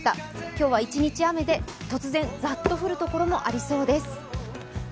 今日は一日雨で突然ざっと降るところもありそうです。